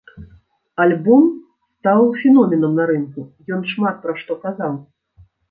Альбом стаў феноменам на рынку, ён шмат пра што казаў.